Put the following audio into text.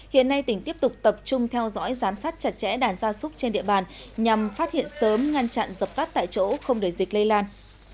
hiện nay tỉnh tiếp tục tập trung theo dõi giám sát chặt chẽ đàn gia súc trên địa bàn nhằm phát hiện sớm ngăn chặn dập tắt tại chỗ không để dịch lây lan